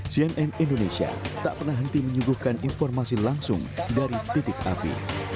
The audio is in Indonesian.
cnn indonesia tak pernah henti menyuguhkan informasi langsung dari titik api